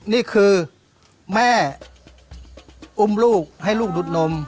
นี่คือแม่อุ้มลูกให้ลูกดูดนม